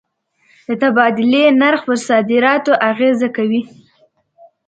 د تبادلې نرخ پر صادراتو اغېزه کوي.